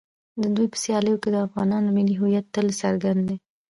د دوی په سیالیو کې د افغانانو ملي هویت تل څرګند دی.